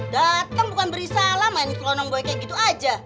dateng bukan beri salam main klonom boy kayak gitu aja